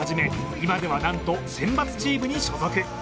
今ではなんと選抜チームに所属。